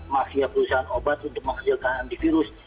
mafia perusahaan obat untuk menghasilkan antivirus